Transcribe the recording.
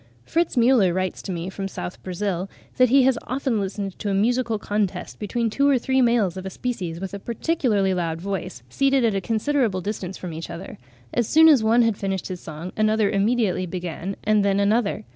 Fritz Müller writes to me from S. Brazil that he has often listened to a musical contest between two or three males of a species with a particularly loud voice, seated at a considerable distance from each other: as soon as one had finished his song, another immediately began, and then another.